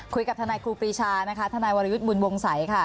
คุยกับทนายครูปรีชานะคะทนายวรยุทธ์บุญวงศัยค่ะ